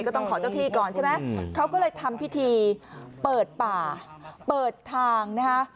ก็ต้องขอเจ้าที่ก่อนใช่ไหมเขาก็เลยทำพิธีเปิดป่าเปิดทางนะคะ